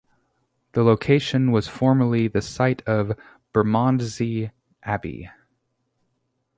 The location was formerly the site of Bermondsey Abbey.